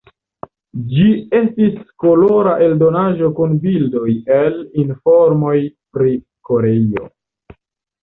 Ĝi estis kolora eldonaĵo kun bildoj el, informoj pri Koreio.